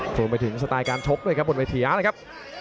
ส่วนไปถึงสไตล์การชบด้วยครับบนวันถี่หานะครับ